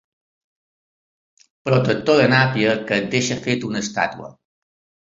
Protector de nàpia que et deixa fet una estàtua.